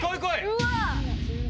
うわ！